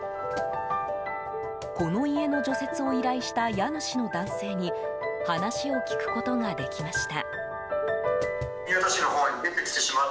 この家の除雪を依頼した家主の男性に話を聞くことができました。